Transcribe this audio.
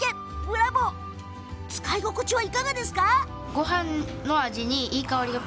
使い心地はいかがですか？